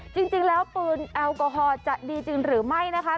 จริงแล้วปืนแอลกอฮอล์จะดีจริงหรือไม่นะคะ